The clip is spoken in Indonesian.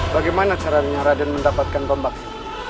bagaimana caranya raden mendapatkan tombak ini